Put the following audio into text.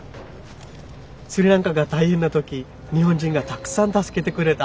スリランカが大変な時日本人がたくさん助けてくれた。